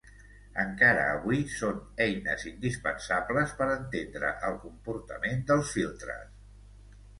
Encara avui són eines indispensables per entendre el comportament dels filtres.